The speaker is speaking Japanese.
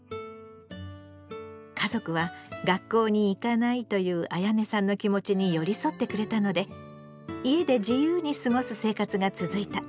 家族は「学校に行かない」というあやねさんの気持ちに寄り添ってくれたので家で自由に過ごす生活が続いた。